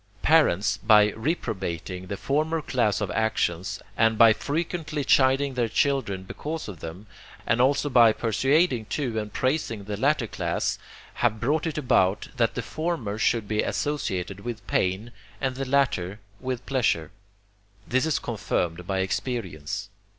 Parents, by reprobating the former class of actions, and by frequently chiding their children because of them, and also by persuading to and praising the latter class, have brought it about, that the former should be associated with pain and the latter with pleasure. This is confirmed by experience.